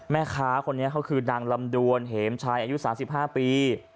แม่ค้าคนนี้เขาคือนางลำดวนเหมชายอายุ๓๕ปี